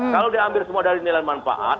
kalau diambil semua dari nilai manfaat